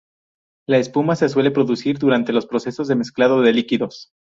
La espuma se suele producir durante los procesos de mezclado de líquidos.